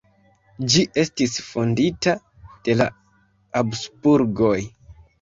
Ĝi estis fondita de la Habsburgoj.